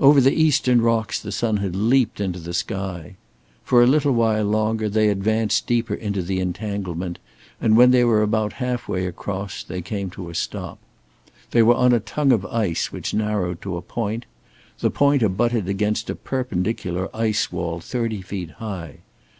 Over the eastern rocks the sun had leaped into the sky. For a little while longer they advanced deeper into the entanglement, and when they were about half way across they came to a stop. They were on a tongue of ice which narrowed to a point; the point abutted against a perpendicular ice wall thirty feet high.